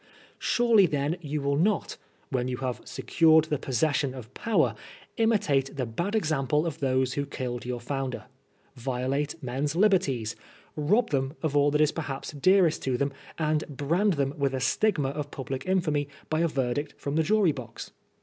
Surely then you wiU not, when you have secured the possession of power, imitate the bad example of those who killed your founder, violate men's liberties, rob them of all that is perhaps dearest to them, and brand them with a stigma of public infamy by a verdict from the jury box!